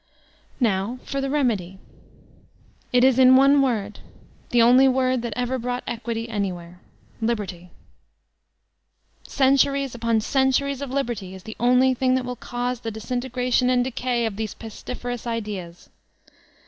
Now for tile remedy. It is in one word, the only word that ever brought equity anywhere — ^Libebty! Cen turies upon centuries of liberty is the only thing that will cause the disintegration and decay of these pesti ferous ideas.